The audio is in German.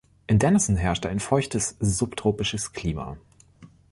In Denison herrscht ein feuchtes subtropisches Klima.